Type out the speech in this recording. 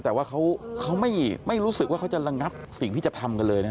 แต่ว่าเขาไม่รู้สึกว่าเขาจะระงับสิ่งที่จะทำกันเลยนะ